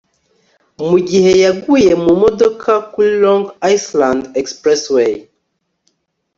mugihe yaguye mumodoka kuri long island expressway